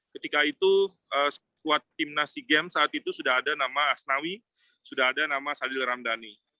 ketika itu sekuat timnas sea games saat itu sudah ada nama asnawi sudah ada nama sadil ramdhani